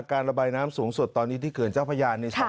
การระบายน้ำสูงสุดตอนนี้ที่เกิดเจ้าพยานใน๒๖๔๓